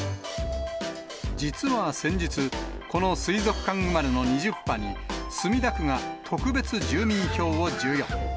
実は先日、この水族館生まれの２０羽に、墨田区が特別住民票を授与。